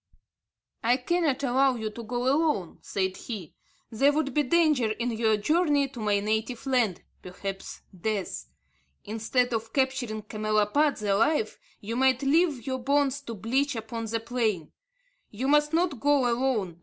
"I cannot allow you to go alone," said he; "there would be danger in your journey to my native land, perhaps death. Instead of capturing camelopards alive, you might leave your bones to bleach upon the plain. You must not go alone.